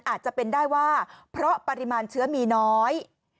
อาจจะเป็นได้ว่าเพราะปริมาณเชื้อมีน้อย